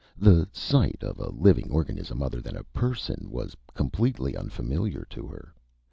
The sight of a living organism other than a person was completely unfamiliar to her.